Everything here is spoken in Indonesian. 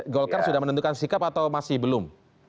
golkar sudah menentukan sikap atau masih belum